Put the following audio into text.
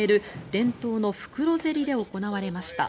伝統の袋競りで行われました。